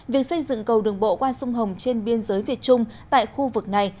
việc xây dựng cầu đường bộ qua sông hồng trên biên giới việt trung tại khu vực này